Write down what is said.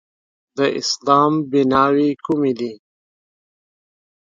د اسلام بیناوې کومې دي؟